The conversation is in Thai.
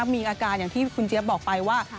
มีอาการอย่างที่คุณเจี๊ยบบอกไปว่า